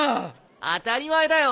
当たり前だよ。